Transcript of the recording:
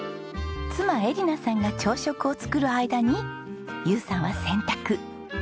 妻恵梨奈さんが朝食を作る間に友さんは洗濯。